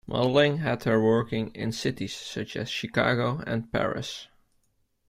Modeling had her working in cities such as Chicago and Paris.